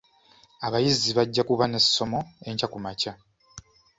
Abayizi bajja kuba n'essomo enkya kumakya.